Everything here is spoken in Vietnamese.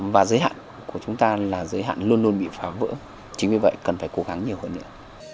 và giới hạn của chúng ta là giới hạn luôn luôn bị phá vỡ chính vì vậy cần phải cố gắng nhiều hơn nữa